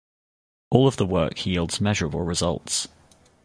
All of the work yields measurable results.